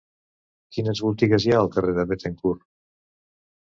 Quines botigues hi ha al carrer de Béthencourt?